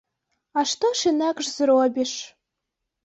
А што ж інакш зробіш?